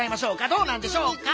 どうなんでしょうか？